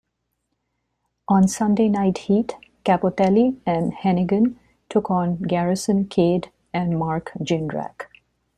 On "Sunday Night Heat" Cappotelli and Hennigan took on Garrison Cade and Mark Jindrak.